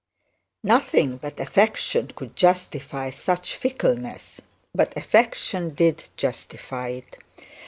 Nothing but affection could justify such fickleness; but affection did justify it.